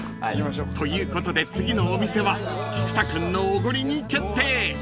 ［ということで次のお店は菊田君のおごりに決定］